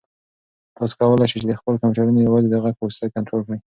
تاسو کولای شئ چې خپل کمپیوټر یوازې د غږ په واسطه کنټرول کړئ.